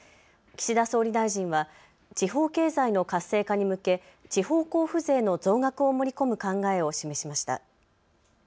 岸田総理大臣は地方経済の活性化に向け地方交付税の増額を盛り込む考えを示しました。